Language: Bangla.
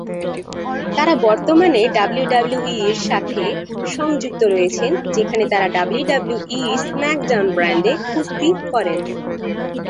তারা বর্তমানে ডাব্লিউডাব্লিউইর সাথে সংযুক্ত রয়েছেন, যেখানে তারা ডাব্লিউডাব্লিউই স্ম্যাকডাউন ব্র্যান্ডে কুস্তি করেন।